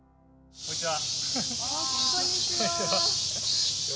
こんにちは。